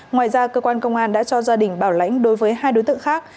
ngoài ra cơ quan công an đã cho gia đình bảo lãnh đối với hai đối tượng khác